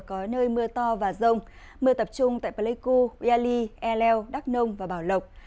có nơi mưa to và rông mưa tập trung tại pleiku iaey e leo đắk nông và bảo lộc